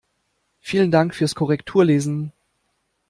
Vielen Dank fürs Korrekturlesen!